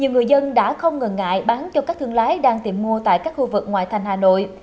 cầu tươi cao đã không ngờ ngại bán cho các thương lái đang tìm mua tại các khu vực ngoại thành hà nội